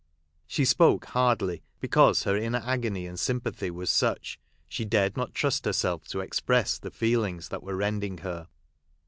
She spoke hardly, because her inner agony and sympathy was such, she dared not trust herself to express the feelings that were rending her.